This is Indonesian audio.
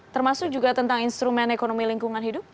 termasuk juga tentang instrumen ekonomi lingkungan hidup